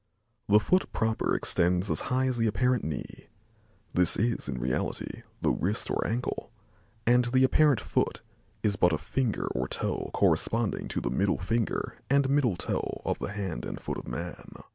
The foot proper extends as high as the apparent knee. This is in reality the wrist or ankle, and the apparent foot is but a finger or toe corresponding to the middle finger and middle toe of the hand and foot of man.